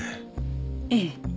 ええ。